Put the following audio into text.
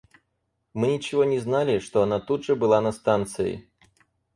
Мы ничего не знали, что она тут же была на станции.